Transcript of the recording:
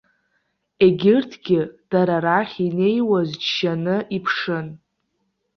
Егьырҭгьы дара рахь инеиуаз џьшьаны иԥшын.